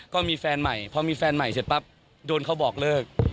ก็มีแฟนใหม่พอมีแฟนใหม่เสร็จปั๊บโดนเขาบอกเลิก